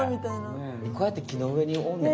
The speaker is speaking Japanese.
こうやって木の上におんねんな。